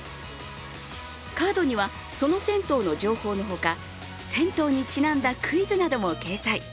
カードには、その銭湯の情報のほか、銭湯にちなんだクイズなども掲載。